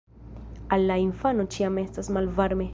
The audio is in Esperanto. Al la infano ĉiam estas malvarme.